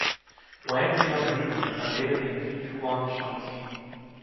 Wang Dianjun, a native in Yichuan, Shaanxi.